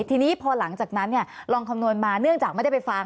ทีนี้พอหลังจากนั้นลองคำนวณมาเนื่องจากไม่ได้ไปฟัง